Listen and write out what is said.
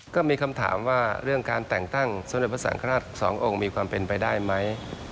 ก็มีคำถามว่าเรื่องการแต่งตั้งสมเด็จพระสังฆราชสององค์มีความเป็นไปได้ไหม